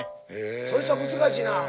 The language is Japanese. そいつは難しいな。